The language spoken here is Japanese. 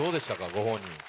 ご本人。